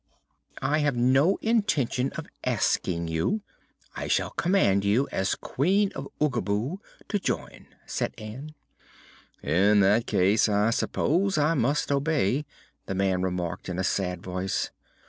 "I have no intention of asking you. I shall command you, as Queen of Oogaboo, to join," said Ann. "In that case, I suppose I must obey," the man remarked, in a sad voice.